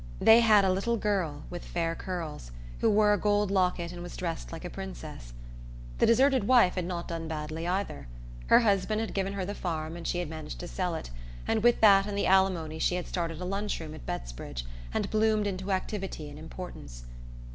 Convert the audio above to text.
They had a little girl with fair curls, who wore a gold locket and was dressed like a princess. The deserted wife had not done badly either. Her husband had given her the farm and she had managed to sell it, and with that and the alimony she had started a lunch room at Bettsbridge and bloomed into activity and importance.